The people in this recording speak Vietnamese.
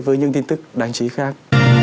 với những tin tức đáng chí khác